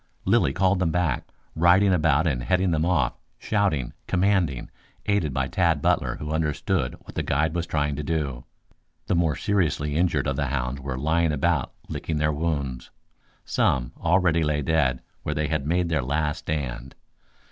Lilly called them back, riding about and heading them off, shouting, commanding, aided by Tad Butler who understood what the guide was trying to do. The more seriously injured of the hounds were lying about licking their wounds. Some already lay dead where they had made their last stand.